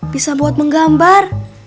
bisa buat menggambar